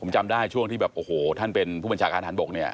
ช่วงที่แบบโอ้โหท่านเป็นผู้บัญชาการทางทางบกนี่